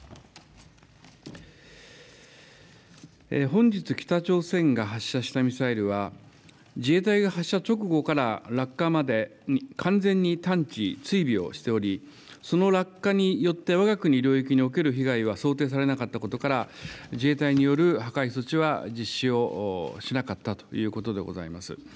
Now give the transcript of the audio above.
本日、北朝鮮が発射したミサイルは、自衛隊が発射直後から落下まで完全に探知、追尾をしており、その落下によって、わが国領域における被害は想定されなかったことから、自衛隊による破壊措置は実施をしなかったということでございます。